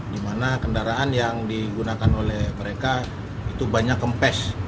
di mana kendaraan yang digunakan oleh mereka itu banyak kempes